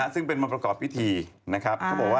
ซึ่งเป็นมาประกอบพิธีนะครับ